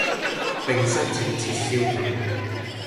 並申請撤銷檢控